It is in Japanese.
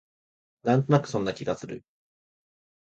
なんとなくそんな気がする